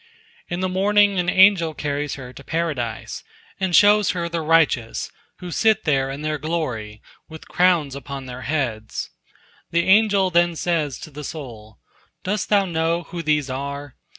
In the morning an angel carries her to Paradise, and shows her the righteous, who sit there in their glory, with crowns upon their heads. The angel then says to the soul, "Dost thou know who these are?"